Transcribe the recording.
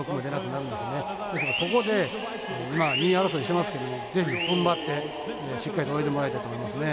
ですからここで今２位争いしてますけども是非ふんばってしっかりと泳いでもらいたいと思いますね。